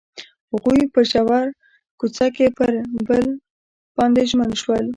هغوی په ژور کوڅه کې پر بل باندې ژمن شول.